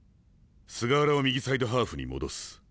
菅原を右サイドハーフに戻す。